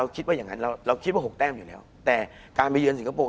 คุณผู้ชมบางท่าอาจจะไม่เข้าใจที่พิเตียร์สาร